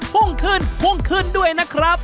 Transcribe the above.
พรุ่งขึ้นพรุ่งขึ้นด้วยนะครับ